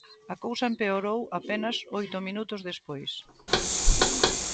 A cousa empeorou apenas oito minutos despois.